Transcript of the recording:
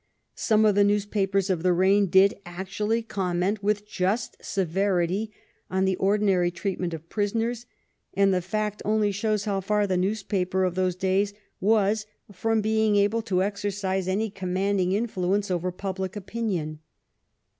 Some of the news papers of the reign did actually comment with just severity on the ordinary treatment of prisoners, and the fact only shows how far the newspaper of those days was from being able to exercise any command ing influence over public opinion.